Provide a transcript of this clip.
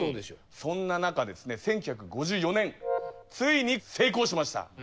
そんな中ですね１９５４年ついに成功しました。